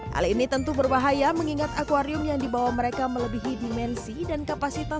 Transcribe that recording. hal ini tentu berbahaya mengingat akwarium yang dibawa mereka melebihi dimensi dan kapasitas